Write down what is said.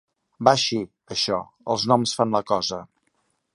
Va així, això: els noms fan la cosa.